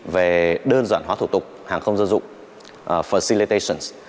về đơn giản hóa thủ tục hàng không dân dụng fercilitations